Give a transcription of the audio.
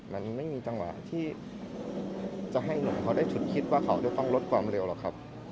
มันไม่มีจังหวะที่จะให้หนุ่มเขาได้ฉุดคิดว่าเขาจะต้องลดความเร็วหรอกครับ